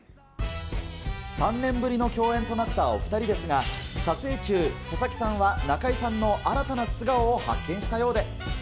３年ぶりの共演となったお２人ですが、撮影中、佐々木さんは中井さんの新たな素顔を発見したようで。